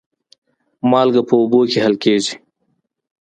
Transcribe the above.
مالګه په اوبو کې حل کېږي.